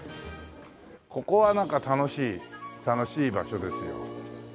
ここはなんか楽しい楽しい場所ですよ。